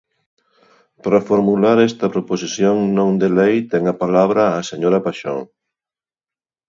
Para formular esta proposición non de lei ten a palabra a señora Paxón.